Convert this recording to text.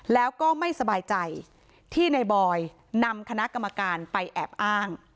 แล้วก็ไม่สบายใจที่ในบอยนำคณะกรรมการไปแอบอ้าง